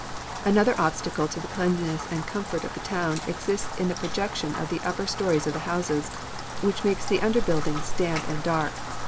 Another obstacle to the cleanliness and comfort of the town exists in the projection of the upper stories of the houses, which makes the under buildings damp and dark.